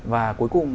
và cuối cùng